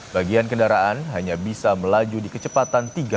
bagian kendaraan hanya bisa melaju di kecepatan tiga puluh km per jam